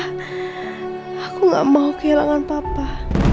sampai nyaris mengorbankan nyawa papa